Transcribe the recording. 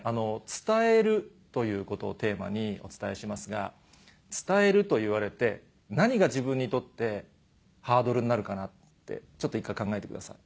「伝える」ということをテーマにお伝えしますが「伝える」といわれて何が自分にとってハードルになるかなってちょっと一回考えてください。